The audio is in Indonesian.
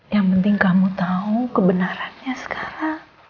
yang penting kamu tahu kebenarannya sekarang